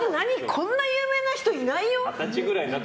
こんなに有名な人いないよ！って。